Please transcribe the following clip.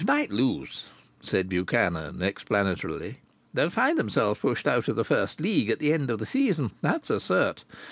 "If Knype lose," said Buchanan, explanatorily, "they'll find themselves pushed out of the First League at the end of the season. That's a cert